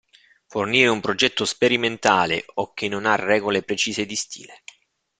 Fornire un progetto sperimentale o che non ha regole precise di stile.